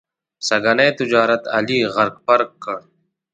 سږني تجارت علي غرق پرق کړ.